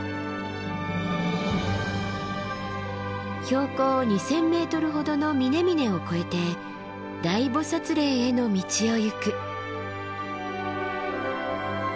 標高２，０００ｍほどの峰々を越えて大菩嶺への道を行く。